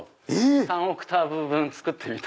３オクターブ分作ってみた。